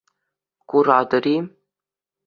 Куратӑр-и?